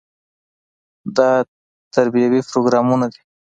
دا تربیوي پروګرامونه دي.